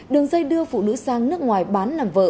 đường dây đưa phụ nữ sang nước ngoài bán làm vợ